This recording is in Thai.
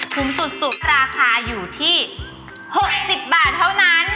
ถุงสุดราคาอยู่ที่๖๐บาทเท่านั้น